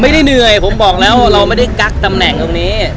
ไม่ได้เหนื่อยผมบอกแล้วว่าเราไม่ได้กั๊กตำแหน่งตรงนี้